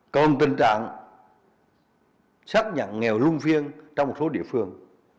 còn tình trạng xác nhận nghèo luân phiên trong một số địa phương